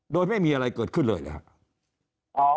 โดยไม่มีอะไรเกิดขึ้นเลยหรือครับ